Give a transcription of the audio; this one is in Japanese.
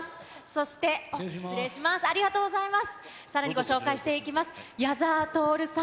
そして、失礼します、ありがとうございます。